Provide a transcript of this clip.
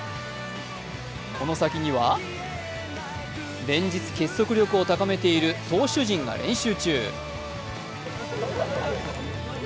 この先には、連日、結束力を高めている投手陣が練習中。